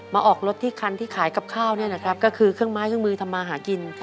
ออกรถที่คันที่ขายกับข้าวเนี่ยนะครับก็คือเครื่องไม้เครื่องมือทำมาหากิน